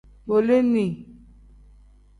Bolini.